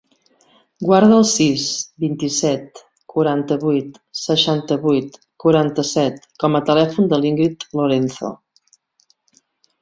Guarda el sis, vint-i-set, quaranta-vuit, seixanta-vuit, quaranta-set com a telèfon de l'Íngrid Lorenzo.